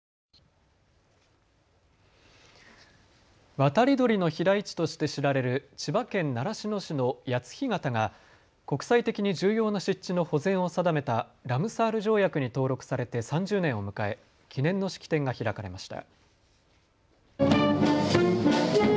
渡り鳥の飛来地として知られる千葉県習志野市の谷津干潟が国際的に重要な湿地の保全を定めたラムサール条約に登録されて３０年を迎え記念の式典が開かれました。